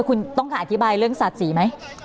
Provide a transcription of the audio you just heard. คุณต้องค่าอธิบายเรื่องสาดสีไหม